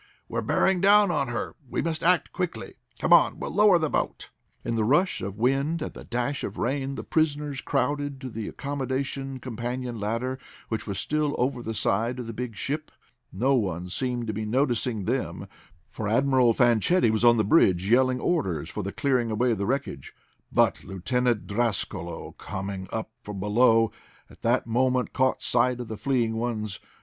"We're bearing down on her! We must act quickly. Come on, we'll lower the boat!" In the rush of wind and the dash of rain the prisoners crowded to the accommodation companion ladder, which was still over the side of the big ship. No one seemed to be noticing them, for Admiral Fanchetti was on the bridge, yelling orders for the clearing away of the wreckage. But Lieutenant Drascalo, coming up from below at that moment, caught sight of the fleeing ones.